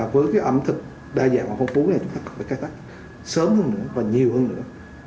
với cái ẩm thực đa dạng và phong phú này chúng ta cần phải khai tách sớm hơn nữa và nhiều hơn nữa